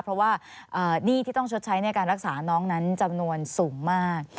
เพราะว่าหนี้ที่ต้องชดใช้ในการรักษาน้องนั้นจำนวนสูงมาก